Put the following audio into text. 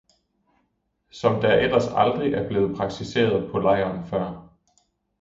som der ellers aldrig er blevet praktiseret på lejren før